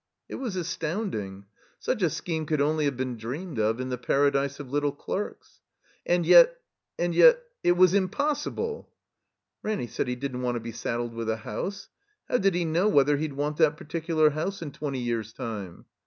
I a It was astounding. Such a scheme cotdd only I fi have been dreamed of in the Paradise of Little Qerks. And yet — ^and yet — ^it was impossible. Ranny said he didn't want to be saddled with a | house. How did he know whether he'd want that particular house in twenty years' time